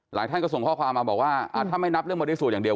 หลายท่านก็ส่งข้อความมาบอกว่าอ่าถ้าไม่นับเรื่องบอดี้สูตรอย่างเดียว